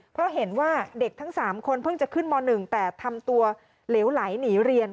เพราะเห็นว่าเด็กทั้ง๓คนเพิ่งจะขึ้นม๑แต่ทำตัวเหลวไหลหนีเรียน